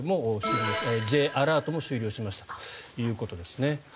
Ｊアラートも終了しましたということですね。